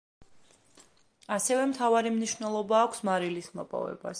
ასევე მთავარი მნიშვნელობა აქვს მარილის მოპოვებას.